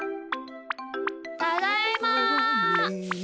ただいま！